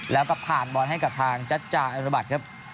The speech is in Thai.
แล้วก็ผ่านบอลให้กับทางจัจจาอนุบัติครับ